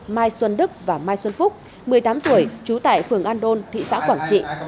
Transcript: mai xuân đức và mai xuân phúc một mươi tám tuổi trú tại phường an đôn thị xã quảng trị